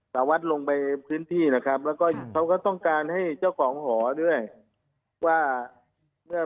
สาวัสลงไปพื้นที่แล้วก็เขาก็ต้องการให้เจ้าของห่อด้วย